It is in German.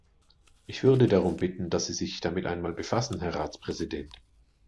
Ich würde darum bitten, dass Sie sich damit einmal befassen, Herr Ratspräsident.